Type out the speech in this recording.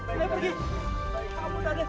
kalian kenapa sih